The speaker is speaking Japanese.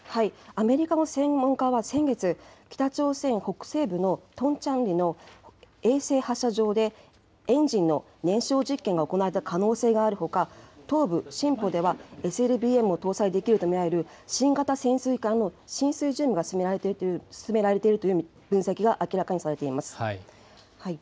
アメリカの専門家は先月、北朝鮮北西部のトンチャンリの衛星発射場で、エンジンの燃焼実験が行われた可能性があるほか、東部シンポではＳＬＢＭを搭載できると見られる新型潜水艦の進水準備が進められているという分析が明らかにされています。